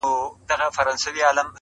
o د اوښ غلا په ټيټه ملا نه کېږي.